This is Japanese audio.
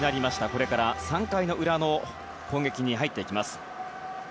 これから３回の裏の攻撃に入ります。